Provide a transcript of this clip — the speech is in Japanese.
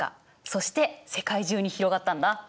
そして世界中に広がったんだ。